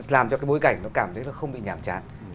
làm cho cái bối cảnh cảm thấy không bị nhàm chán